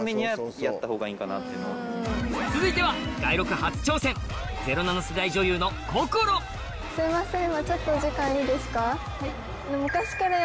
続いては街録初挑戦すいません。